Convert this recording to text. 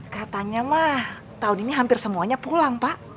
katanya mah tahun ini hampir semuanya pulang pak